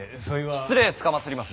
失礼つかまつります。